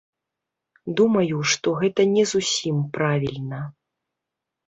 Думаю, што гэта не зусім правільна.